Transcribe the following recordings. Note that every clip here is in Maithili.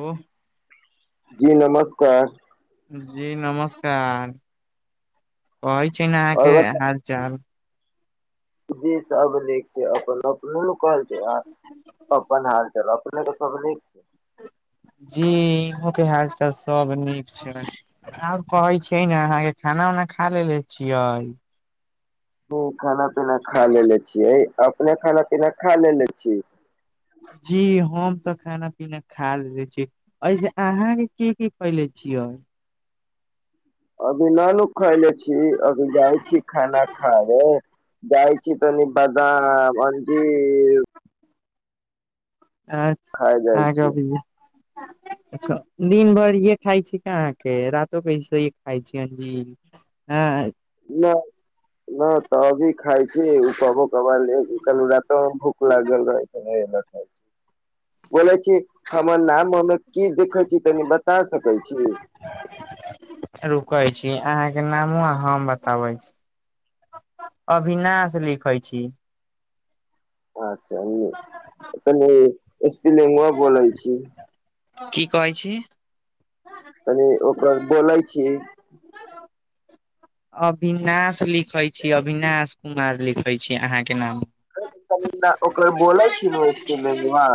ओ। जी नमस्कार। जी नमस्कार, कहै छी नै अहाँ और के बता हर चाल। जी सब निक छै अपनो। [unintelligible] कहे छै आब अपन हाल-चाल अपने के सब निक जी इहो के हाल-चाल सब नीक छै। आब कहै छै ने अहाँके खाना-उना खा लेलेे छियै। हमु खाना-पीना खा लेले छियै, अपने खाना-पीना खा लेले छी। जी हम तऽ खाना-पीना खा लेले छी। ऐसे अहाँ के की-की खयलै छियै। अभी ना नु खैले छी, अभी जाय छी खाना खाएबे। जाय छी तनी बदाम, अंजीर आ खाय जाइ अहाँ के छी अबैया। [inaudible] अच्छा दिन भर इहे खाय छीये कि अहाँके रातो कऽ ऐसे ही खाय छियै अंजीर। आय ना, ना त अभी खाय छी उ कबो कबाल एगो काएल रातो मे भूख लागल रहै [unintelligible] बोलै छी हमर नाम मे हमरा की दिखै छै तनी बता सकै छी। रुकै छी अहाँके नामो आ हम बताबै छी। अभिनाश लिखै छी। अच्छा उम्म तनी स्पेलिंगवा बोलै छी। की कहै छी। कनी ओकर बोलै छी। अभिनाश लिखै छी, अभिनाश कुमार लिखै छी अहाँके नाम। अ इ कनि हमरा ओकर बोलै छी नु स्पेलिंगवा।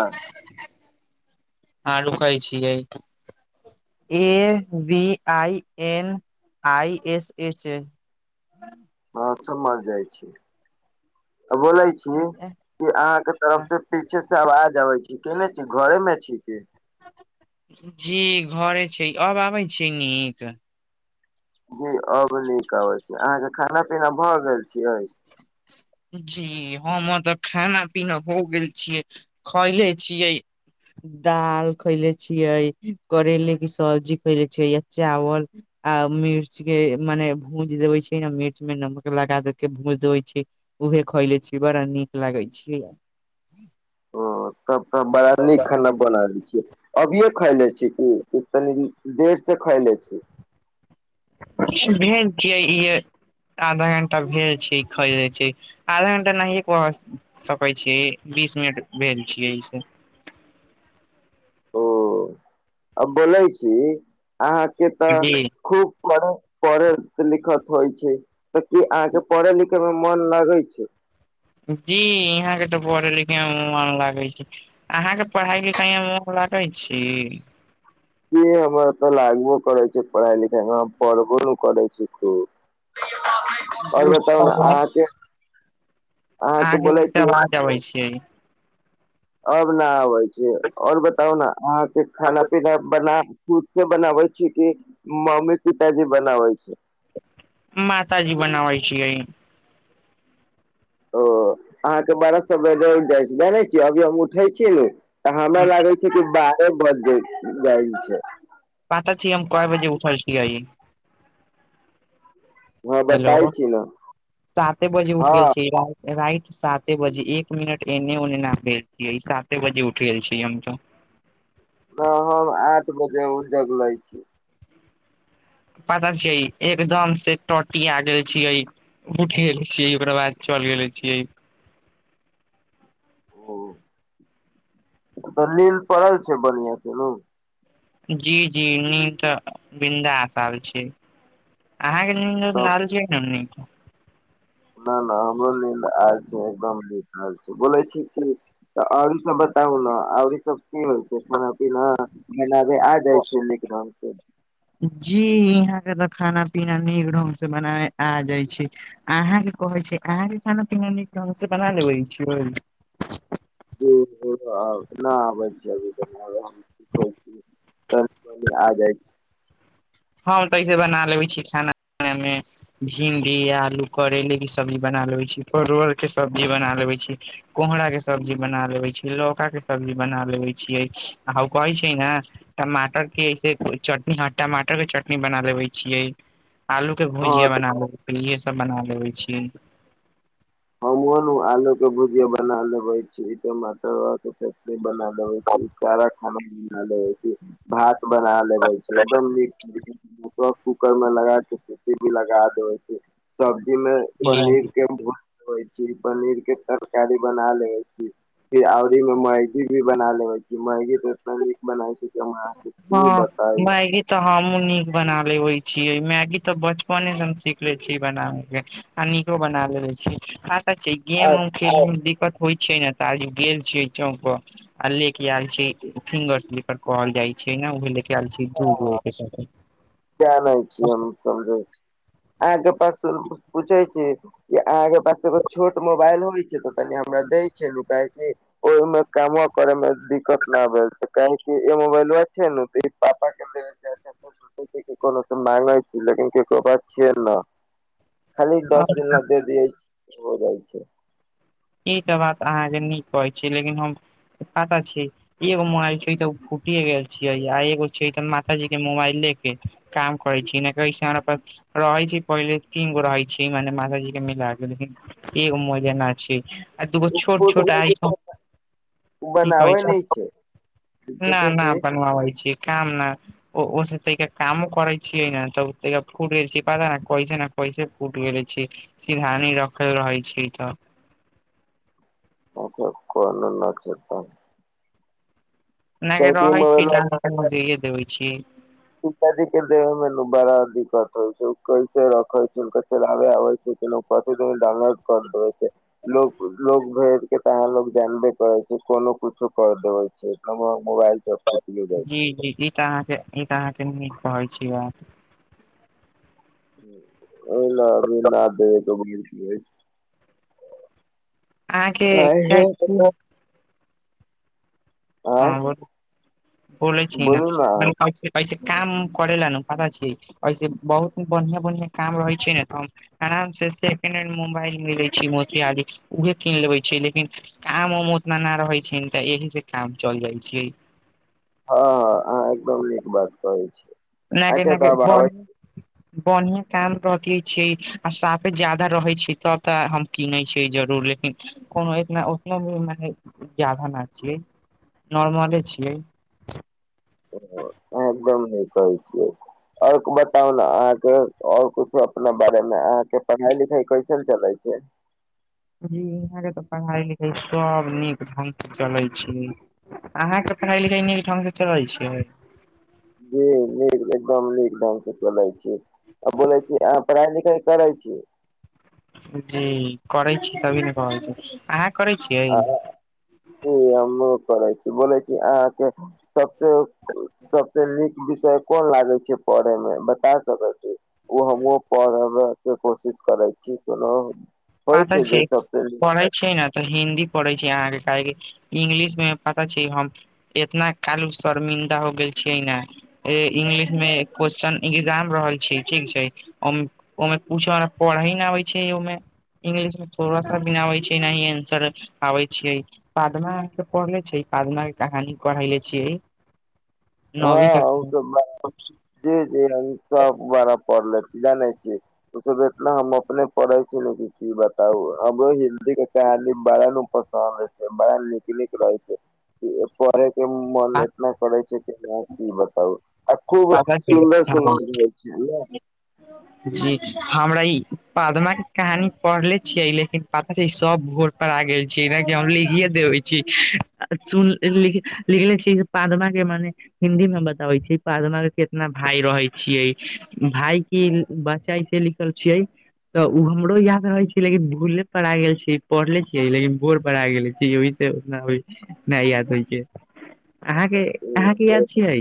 हां रुकै छियै। A B I N I S H A. हां समझ जाय छी आ बोलै छी कि अहाँ के तरफ से पीछे से अबाज आबै छी, केने छी घरे मे छी की। जी घरे छी, अब आबै छै नीक। जी अब नीक आबै छै, अहाँके खाना-पीना भ गेल छियै। जी हमर तऽ खाना-पीना हो गेल छियै, खैयले छियै दाल खैले छियै, करैेले की सब्जी खैले छियै या चावल आ मिर्च के मने भूज देबै छी ने मिर्च मे नमक लगा दे के भूज देबै छी। उहे खैले छी, बड़ा नीक लागै छीया। ओ तब तऽ बड़ा नीक खाना बना लै छियै, अभिये खैएले छी की कि तनी देर से खैएले छी। भेल छियै इहे आधा घंटा भेल छियै खैएलै छी। आधा घंटा नहिये कहा स सकै छी, बीस मिनट भेल छियै ऐसे। अ बोलै छी अहाँके तऽ जी खूब करा पढ़त-लिखत होय छै तऽ की अहाँ के पढ़े-लिखे मे मन लागै छै। जी इहाँ के तऽ पढ़े-लिखे मे मन लागे छै। अहाँ के पढ़ाई-लिखाई मे मुन लागै छी। जी हमरा तऽ लागबो करे छै पढ़ाई-लिखाई मे हम पढ़बो करै छी खूब। और बताउ ना अहाँ अहाँके के, अहाँ के बोलै छी पढ़े छियै। अब न आबै छै और बताउ ना अहाँके खाना-पीना बना खुद से बनाबै छी कि मम्मी-पिताजी बनाबै छै। माता जी बनावय छीये। ओ, अहाँके बारह सए बजे उठ जाइ छी, जानै छियै अभी हम उठै छीयै ने अहां लग आबै छियै तऽ बारह बाजि जाइ जाइ छै। पाता छै हम कय बजे उठै छीयै? हँ बताय हेलो, छी ने साते बजे उठ गेल हँ छी यार। राइट साते बजे, एक मिनट एने ओने न भेल छियै, साते बजे उठ गेल छीयै हम तऽ। तं हम आठ बजे उठ जगले छियै। पता छै एकदम से टटी आ गेल छियै। उठि गेल छियै ओकरा बाद चलि गेले छियै। ओ तऽ नील पड़ल छै बढ़िया से ओ। जी जी नीन्द त ब्रिन्दास आबै छै। अहाँके नींन्द [unintelligible] तब लाल छियै ने न नहि नहि हमरो नींद आल छै एकदम न छै बोलै छी कि तऽ और सब बताउ ने आर ई सब की होइ छै खाना पीना बनाबे आ कहै छै नीक नाम से जी अहाँ के तऽ खाना पीना नीक ढंग से बनाना आ जाय छै। अहाँके कहै छै अहाँके खाना पीना नीक ढंग से बना लेबे छीयै। न आबाज जब त [unintelligible] तनी मनी आ जाइ छै। हम तऽ ऐसे बना लेबै छी खाना पीना ने। भिंडी, आलू, करैेले के सब्जी बना लेबे छी, परोर के सब्जी बना लेवे छी। कोहरा के सब्जी बना लेबे छियै लौका के सब्जी बना लेबे छियै आ ओ कहै छै न टमाटर की ऐसे चटनी ह टमाटर। टमाटर के चटनी बना लेबे छियै आलू के हँ भुजिया बना ले इहे सब। सब बना लेबै छियै। हमहूँ नु आलू के भुजिया बना लेबै छी टमाटर और के बना। लेबै छी सारा खाना बना लेबै छी भात बना लेबे छी एकदम नीक। कूकर में लगा के सिटी भी लगा दे छै। सब्जी में पनीर के होय छी पनीर के तरकारी बना लेबे छी। फेर आउरी मे मैगी भी बना लेबे छी मैगी त इतना नीक बनाय छी की हम अहाँके कि हँ बताइ। मैगी तऽ हमहूँ नीक बना लेबै तंछीयै मैगी तऽ बचपने से हम सीखले छी बनाबै के। आ नीको बना लेेबे छीयै आ हाथक छीयै गेम उम दिकत होइ छै ने ताली गेल छियै चौंक पर। आ लेके आयल छियै फिंगरस्लिपर। कहल जाइ छै न उहे लेके आयल छी दूगो अच्छा एके साथे। जानै छी हम समझै छी अहाँके पास पूछै छी। कि अहाँके पास एगो छोट मोबाइल होइ छै तऽ तनि हमरा दय छलु काहेकि ओहिमे कामवा करैमे दिक्कत न भेल तऽ का है कि इ मोबइलवा छै नु तऽ इ पापा के कोनोसो माँगै छी लेकिन केकरो पास छियै न। खाली आ दस दिन ला दे दियाइ छी हो जाइ छै। ई तऽ बात अहाँजे नीक कहै छी लेकिन हम पाता छीयै एगो मोबाइल छै तऽ ओ फूटिये गेल छियै आ एगो छै तऽ माताजी के मोबाइले के काम करै छी ने कहै छै हमरा पास। रहै छै पहिले तीन गो रहै छै मने माताजी के मिला के लेकिन एगो मोबाइल ना छै। आ दुगो उ फूट छोट-छोट गेल [unintelligible] की कहै बनाबै छै। नै ना, पूछै ना छी बनबाबै छी काम ना ओ ओसे तैके कामो करै छियै न तऽ तैके फूट गेल छी, पता ना कैसे ना कैसे फूट गेलै छी। सीरहानी रखल रहै छी तऽ। अच्छा कोनो ना छै तब नै अगर ई रहै छी मोबाइलवा तऽ अहाँ के हम देये देबै छी। पिता जी के देबै मे नु बड़ा दिक्कत होय छै, उ कैसे रखै छै, हुनका चलाबए आबै छै। उ कथी दन ने डाउनलोड कर देबै छै। लोक लोग भेद के तऽ अहाँ लोग जानबे करै छी कोनो कुछो कर देबे छै। हमु आब मुबाएल देब। जी-जी ई तऽ अहाँके ई तऽ अहाँके नीक कहै छी ई बात। ओहना अभी ना देबै तऽ बुझै छियै। अहाँ के एकटा [unintelligible] आँय [unintelligible] बोलै छी ना बोलू न [unintelligible] ऐसे काम करे लै ना पता छी ऐसे बहुत बन्हिया-बन्हिया काम रहै छै ने तऽ हम [unintelligible] अराम से सेकेंड हैंड मुबाएल मिलै छी मोतिहारी उहे कीन लेबै छी लेकिन काम-उम उतना ना रहै छैन तऽ एहि से काम चल जाय छी। हां-हां अहाँ एकदम नीक बात कहै छी। ना की अच्छा ना तऽ की आब [unintelligible] [inaudible] बन्हिया काम रहतिये छियै आ साफे जादा रहै छै तब तऽ हम कीनै छियै जरूर लेकिन कोनो इतना उतना भी मने जादा ना छियै, नॉर्मले छियै। ओ अहाँ एकदम नीक कहै छियै। और बताउ ना अहाँके और कुछो अपना बारे मे अहाँ के पढ़ाई-लिखाई कैसन चलै छै। जी इहाँ के तऽ पढ़ाई-लिखाई सब नीक ढंग से चलै छै। अहाँ के पढ़ाई-लिखाई नीक ढंग से चलै छै। जी नीक, एकदम नीक ढंग से चलै छी। आ बोलै छी अहाँ पढ़ाई-लिखाई करै छी? जी करै छी तभी ने कहै छै, अहाँ करै छियै? जी हमु करै छी बोलै छी अहाँ के सबसे, सबसे नीक विषय कोन लागे छै पढ़े मे बता सकै छी। उ हमुओ पढ़बै के कोशिश करै छी [unintelligible] [unintelligible] छै जे सबसे नीक? पढ़े छी ना त हिन्दी पढ़ै छी अहाँ के काहेकि इंग्लिश मे पता छै हम इतना काएलु शर्मिंन्दा हो गेल छियै ना। ए इंगलिश मे क्वेश्चन इग्जाम रहल छी ठीक छै। ओ मे, ओय मे पूछे वाला पढ़े नै आबै छै ओय मे। इंग्लिश मे थोड़ा सा भी ना आबै छै, ना ही एन्सर आबै छै। पादमा अहाँ के पढ़ले छी, पादमा [unintelligible] कहानी पढ़ले छियै। नौवी कक्षा मे। जी-जी हम सब बड़ा पढ़ला छी, जानै छी। उ सब इतना हम अपने पढ़ै छी नै कि बताउ अब हिन्दी के कहानी बड़ा नु [unintelligible] छै, बड़ा नीक-नीक रहै छै। कि पढ़े के मन एतना करै छै कि ना की बताउ। आ खूब सुन्दर-सुन्दर रहै छै ना। जी हमरा ई पदमा के कहानी पढ़ले छियै लेकिन पता छै ई सब भोर पड़ा गेल छीयै नै कि हम लिखिए देबे छी आ सून, लिख लिखने छीयै की पदमा के मने हिन्दी मे बताबै छी, पादमा के केतना भाय रहै छियै, भाय की बाच्चा ऐसे लिखल छियै। तऽ उ हमरो याद रहे छै लेकिन भूले पड़ा गेल छीयै, पढ़ले छीयै लेकिन [unintelligible] गेले छीयै ओहि से फेर न होय छै, नै याद होय छै, अहाँ के अहाँ के याद छियै?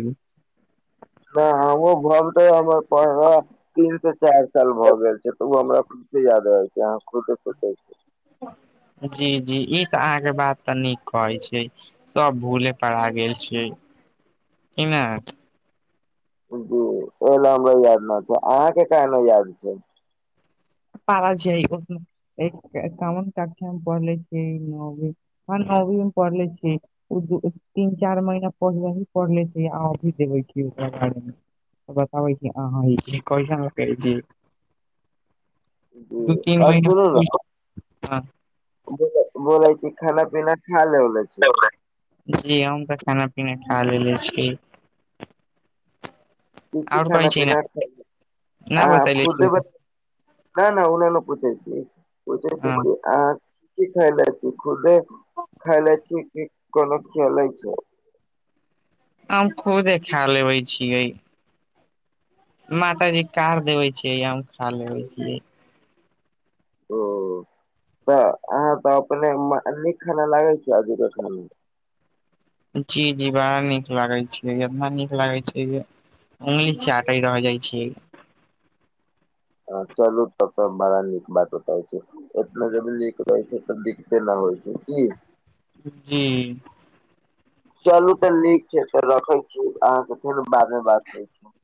न हम्हु [unintelligible] हमर पढ़ाय तीन से चार साल भऽ गेल छै तऽ उ हमरा प से याद रहे छै, अहाँ खुदे सोचै छी। जी-जी ई तऽ अहाँके बात तऽ नीक कहै छीयै। सब भूले पर आ गेल छियै? [unintelligible] [unintelligible] ऐ लै हमरा याद न छै अहाँ के काहे न याद छै? सारा छै उम्म एक कोन कक्षा मे पढ़ले छीयै [unintelligible] हां नौवीं में पढ़ले छीयै। उ दु तीन-चार महीना पहिले ही पढ़ले छीयै आ अभी देखय छीयै ओकरा बारमे? त बताबै छीयै अहां ऐसे [unintelligible] करे छीयै? उ तीन आर महीना सुनू नै बोले बोला छी खाना-पिना खाए लेवला छी? जी हम तऽ खाना-पीना खाए लेलै छी। की-की आओर कहै छी ने खाना-पीना खा न अहां बतैले खुद्दे छी ब नै-नै ओन्हेईये पुछै छी, पूछे छी हँ कि आहां की खएले छी खुदे खा लै छी की कोनो [unintelligible] छै? हम खूदे खै लेबे छियै। माता जी [unintelligible] देवे छियै, हम खा लेबे छियै! ओ तऽ अहाँ के अपने मा नीक खाना लागै छै अभी के खाना? जी-जी बड़ा नीक लागै छै, एतना नीक लागे छै जे उंगली चाटे रह जाई छीयै। हां चलू तबतै बड़ा नीक बात बताबै छीयै। एतना जब निक रहै छै तऽ दिक्ते नै होय छै की? जी। चलू तऽ नीक छै तब रखै छी, अहाँ से फेरो बाद मे बात करै छी।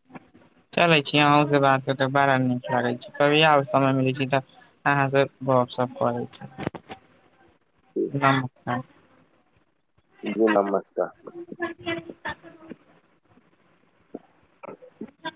चलै छी अहों से बात करकै बड़ा नीक लागै छै, कभी और समय मिलै छै तऽ अहां से गप-सप करय छी, नमस्कार। जी नमस्कार। आ